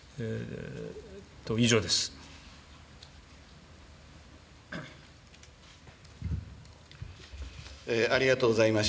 以上です。